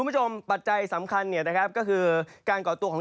สำคัญก็คือการกอดตัวของ